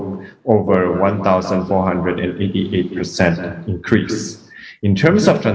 lebih dari satu empat ratus delapan puluh delapan persen